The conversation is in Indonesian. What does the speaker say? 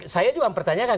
saya juga mempertanyakan